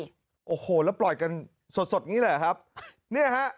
อ่ะใช่โอ้โหแล้วปล่อยกันสดสดงี้แหละครับเนี่ยฮะ